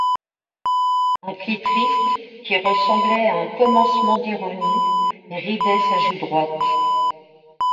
Un pli triste, qui ressemblait à un commencement d’ironie, ridait sa joue droite.